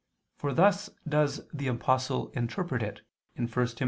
For thus does the Apostle interpret it (1 Tim.